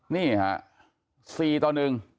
นี่ครับ๔ตัว๑